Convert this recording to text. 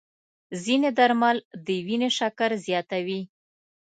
ځینې درمل د وینې شکر زیاتوي.